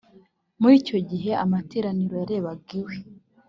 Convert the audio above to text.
muri icyo gihe amateraniro yaberaga iwe.